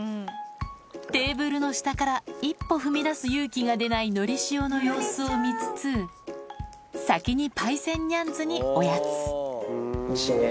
テーブルの下から一歩踏み出す勇気が出ないのりしおの様子を見つつ先にパイセンニャンズにおやつおいしいね。